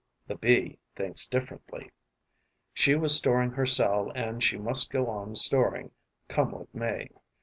The Bee thinks differently: she was storing her cell and she must go on storing, come what may.